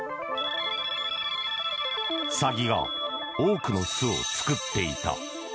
サギが多くの巣を作っていた。